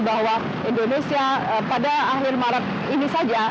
bahwa indonesia pada akhir maret ini saja